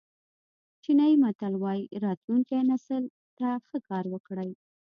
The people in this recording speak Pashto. چینایي متل وایي راتلونکي نسل ته ښه کار وکړئ.